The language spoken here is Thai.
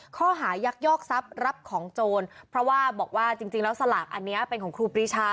ข้อหายักยอกทรัพย์รับของโจรเพราะว่าบอกว่าจริงแล้วสลากอันนี้เป็นของครูปรีชา